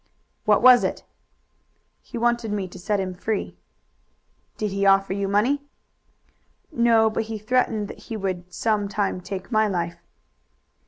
"What was it?" "He wanted me to set him free." "Did he offer you money?" "No, but he threatened that he would some time take my life."